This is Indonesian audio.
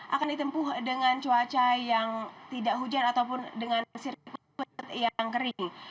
akan ditempuh dengan cuaca yang tidak hujan ataupun dengan sirkuit yang kering